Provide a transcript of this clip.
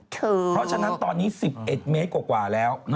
เพราะฉะนั้นตอนนี้๑๑เมตรกว่าแล้ว